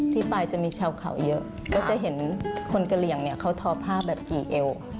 ที่ปลายจะมีชาวเข่าเยอะก็จะเห็นคนกะเหลี่ยงเขาท้อผ้าแบบอีเอว